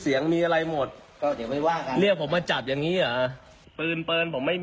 อันนี้ได้เลยนะครับ